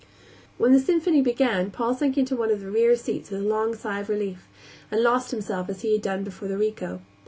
When the symphony began Paul sank into one of the rear seats with a long sigh of relief, and lost himself as he had done before the Rico.